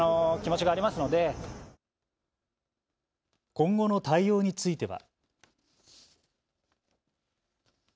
今後の対応については。